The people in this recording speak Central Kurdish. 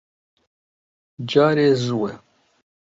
جارێ زووە.